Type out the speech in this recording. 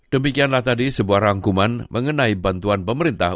demikianlah tadi sebuah rangkuman mengenai bantuan pemerintah